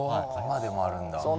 今でもあるんだ